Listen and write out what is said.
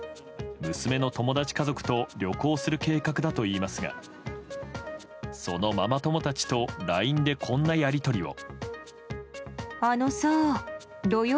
娘の友達家族と旅行する計画だといいますがそのママ友たちとＬＩＮＥでこんなやり取りを。